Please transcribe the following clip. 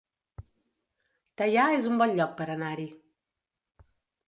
Teià es un bon lloc per anar-hi